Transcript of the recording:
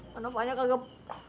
kenapa aja kagak